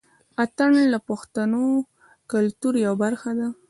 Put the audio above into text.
اتڼ د پښتنو کلتور يوه برخه دى.